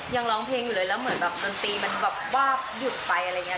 ร้องเพลงอยู่เลยแล้วเหมือนแบบดนตรีมันแบบวาบหยุดไปอะไรอย่างนี้